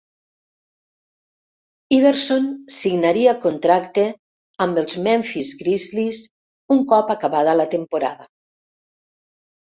Iverson signaria contracte amb els Memphis Grizzlies un cop acabada la temporada.